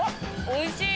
おいしい！